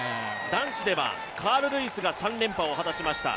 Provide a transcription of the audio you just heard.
男子ではカール・ルイスが３連覇を果たしました。